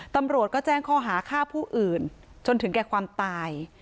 ตำรวจก็แจ้งข้อหาฆ่าผู้อื่นจนถึงแก่ความตาย